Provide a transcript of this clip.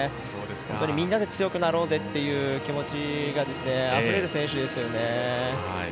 みんなで強くなろうぜっていう気持ちがあふれる選手ですよね。